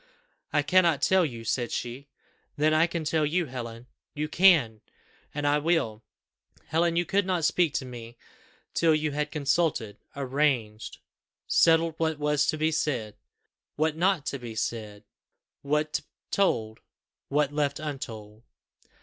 "I cannot tell you," said she. "Then I can tell you, Helen." "You can!" "And will. Helen, you could not speak to me till you had consulted arranged settled what was to be said what not to be said what told what left untold."